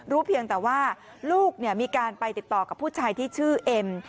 เพียงแต่ว่าลูกมีการไปติดต่อกับผู้ชายที่ชื่อเอ็ม